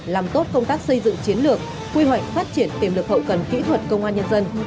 làm tốt công tác xây dựng chiến lược quy hoạch phát triển tiềm lực hậu cần kỹ thuật công an nhân dân